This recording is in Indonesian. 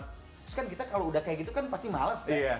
terus kan kita kalau udah kayak gitu kan pasti males